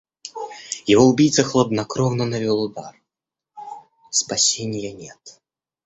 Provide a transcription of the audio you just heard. Его убийца хладнокровно навёл удар... спасенья нет.